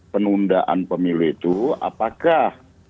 penundaan pemilu itu apakah